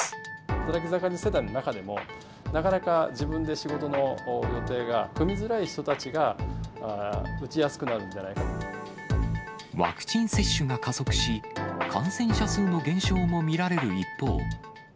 働き盛り世代の中でも、なかなか自分で仕事の予定が組みづらい人たちが、ワクチン接種が加速し、感染者数の減少も見られる一方。